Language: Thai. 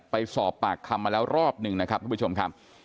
ไปสอบปากคำมาแล้วรอบหนึ่งนะครับทุกผู้ชมครับ